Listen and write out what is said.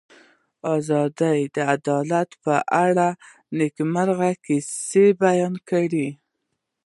ازادي راډیو د عدالت په اړه د نېکمرغۍ کیسې بیان کړې.